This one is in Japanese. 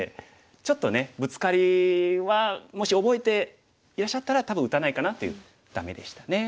ブツカリはもし覚えていらっしゃったら多分打たないかなっていう「ダメ」でしたね。